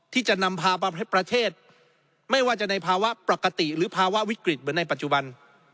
ที่จะนำพาประเทศไม่ว่าจะในภาวะปกติหรือภาวะวิกฤตเหมือนในปัจจุบัน